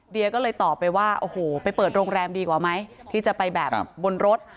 เดียก็เลยตอบไปว่าโอ้โหไปเปิดโรงแรมดีกว่าไหมที่จะไปแบบบนรถ